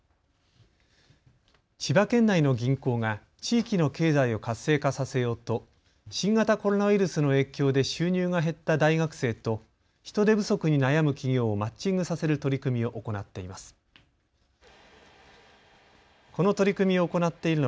千葉県内の銀行が地域の経済を活性化させようと新型コロナウイルスの影響で収入が減った大学生と人手不足に悩む企業をマッチングさせる取り組みを行っています。